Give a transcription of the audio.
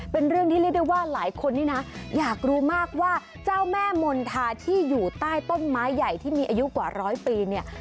เป็นเรื่องที่เรียกได้ว่าหลายคนนี่นะอยากรู้มากว่าเจ้าแม่มณฑาที่อยู่ใต้ต้นไม้ใหญ่ที่มีอายุกว่าร้อยปีเนี่ย